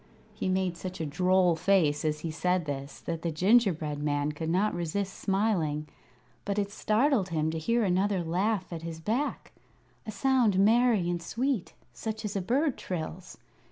He made such a droll face as he said this that the gingerbread man could not resist smiling, but it startled him to hear another laugh at his back a sound merry and sweet, such as a bird trills.